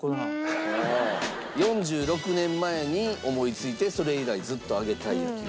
４６年前に思いついてそれ以来ずっと揚げたい焼きを。